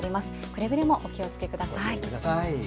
くれぐれもお気を付けください。